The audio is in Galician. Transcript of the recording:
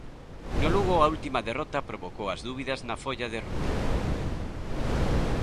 No Lugo a última derrota provocou as dúbidas na folla de ruta.